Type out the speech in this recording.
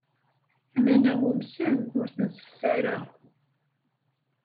Aman-a umsen, ur ten-sess ara.